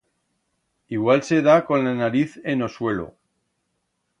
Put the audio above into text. Igual se da con la nariz en o suelo.